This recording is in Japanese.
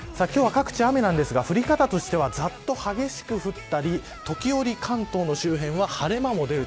各地雨ですが、降り方としてはざっと激しく降ったり急に関東周辺は晴れ間も出る。